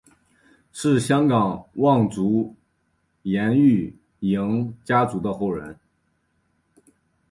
是香港望族颜玉莹家族的后人。